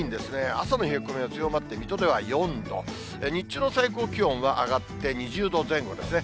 朝の冷え込みは強まって水戸では４度、日中の最高気温は上がって２０度前後ですね。